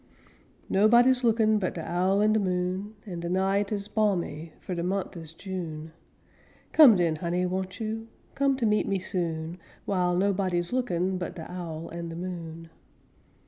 Nobody's lookin' but de owl an' de moon, An' de night is balmy; fu' de month is June; Come den, Honey, won't you? Come to meet me soon, Wile nobody's lookin' but de owl an' de moon.